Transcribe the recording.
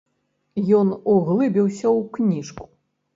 Ён углыбіўся ў кніжку.